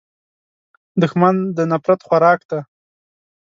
دښمن د نفرت خوراک دی